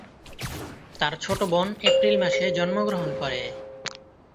তার ছোট বোন এপ্রিল মাসে জন্মগ্রহণ করে।